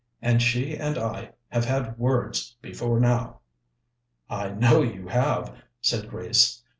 And she and I have had words before now." "I know you have," said Grace.